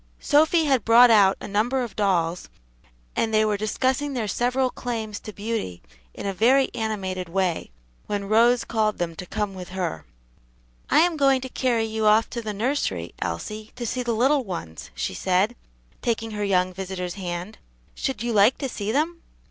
Sophy had brought out a number of dolls, and they were discussing their several claims to beauty in a very animated way when Rose called to them to come with her. "I am going to carry you off to the nursery, Elsie, to see the little ones," she said, taking her young visitor's hand; "should you like to see them?"